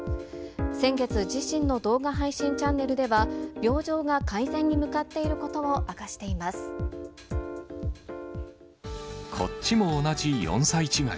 先月、自身の動画配信チャンネルでは、病状が改善に向かっていることをこっちも同じ４歳違い。